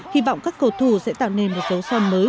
hy vọng các cầu thủ sẽ tạo nên một dấu son mới